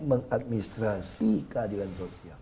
mengadministrasi keadilan sosial